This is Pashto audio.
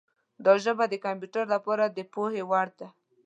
دا ژبه د کمپیوټر لپاره د پوهې وړ ده.